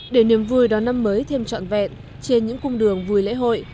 để niềm vui đón năm mới thêm trọn vẹn trên những cung đường vui lễ hội